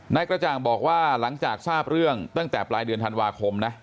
นายกระจ่างบอกว่าหลังจากทราบเรื่องตั้งแต่ปลายเดือนธันวาคมนะ